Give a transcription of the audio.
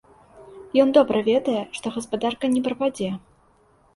Ён добра ведае, што гаспадарка не прападзе.